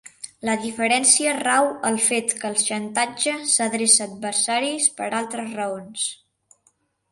La diferència rau al fet que el xantatge s'adreça a adversaris per a altres raons.